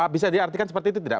bisa diartikan seperti itu tidak